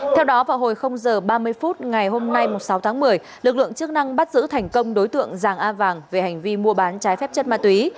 theo đó vào hồi h ba mươi phút ngày hôm nay sáu tháng một mươi lực lượng chức năng bắt giữ thành công đối tượng giàng a vàng về hành vi mua bán trái phép chất ma túy